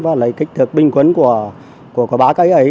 và lệ kích thước bình quân của ba cây ấy